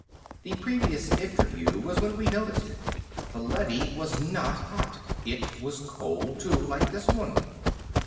"The previous interview was when we noticed it. The leady was not hot. It was cold, too, like this one."